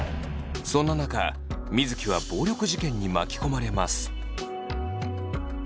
そんな中水城は暴力事件に巻き込まれます。